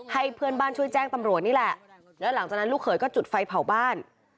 ให้เพื่อนบ้านช่วยแจ้งตำรวจนี่แหละแล้วหลังจากนั้นลูกเขยก็จุดไฟเผาบ้าน